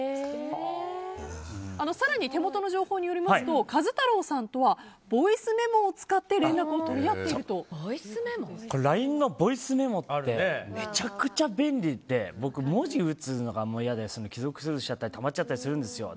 手元の情報によりますと壱太郎さんとはボイスメモを使ってＬＩＮＥのボイスメモってめちゃくちゃ便利で文字打つのが嫌で既読スルーしたりたまっちゃったりするんです。